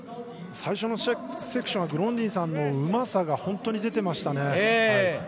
最初のセクショングロンディンさんのうまさが本当に出ていましたね。